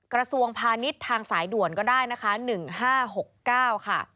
กระทรวงพาณิชย์ทางสายด่วนก็ได้นะคะ๑๕๖๙ค่ะ